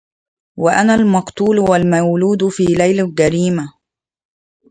وأنا المقتول والمولود في ليل الجريمهْ